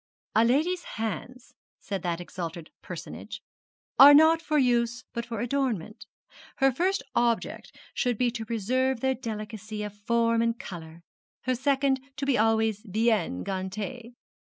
'A lady's hands,' said that exalted personage, 'are not for use, but for ornament. Her first object should be to preserve their delicacy of form and colour; her second to be always bien gantée.